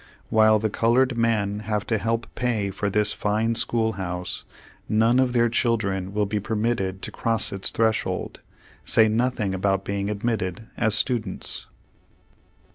While the colored men have to help pay for this fine school house, none of their children will be permitted to cross its threshold, say nothing about being ad mitted as students.